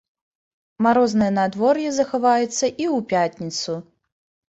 Марознае надвор'е захаваецца і ў пятніцу.